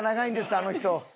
あの人。